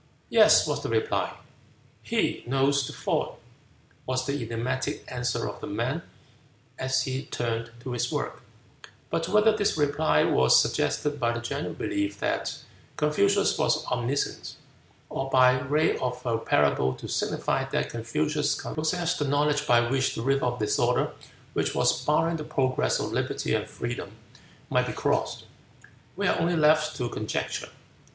"Yes," was the reply. "He knows the ford," was the enigmatic answer of the man as he turned to his work; but whether this reply was suggested by the general belief that Confucius was omniscient, or by wry of a parable to signify that Confucius possessed the knowledge by which the river of disorder, which was barring the progress of liberty and freedom, might be crossed, we are only left to conjecture.